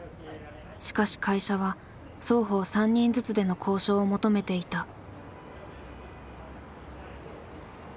しかし会社は双方３人ずつでの交渉を求めていた。